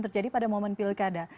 terjadi pada momen pilkada